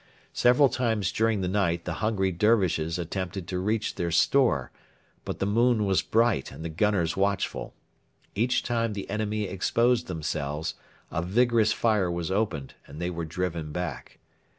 Several times during the night the hungry Dervishes attempted to reach their store; but the moon was bright and the gunners watchful. Each time the enemy exposed themselves, a vigorous fire was opened and they were driven back.